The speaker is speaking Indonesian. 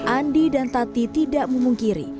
andi dan tati tidak memungkiri